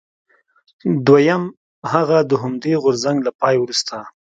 دویم هغه د همدې غورځنګ له پای وروسته.